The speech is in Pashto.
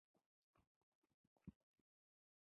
د هېواد تاریخي ځایونه د نیکونو زیار ښکارندویي کوي.